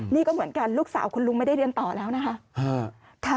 นี่ก็เหมือนกันลูกสาวคุณลุงไม่ได้เรียนต่อแล้วนะคะ